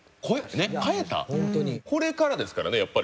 これからですからねやっぱり。